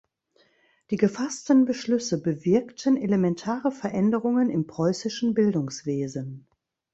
Die gefassten Beschlüsse bewirkten elementare Veränderungen im preußischen Bildungswesen.